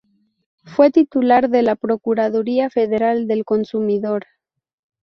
Fue titular de la Procuraduría Federal del Consumidor.